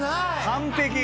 完璧！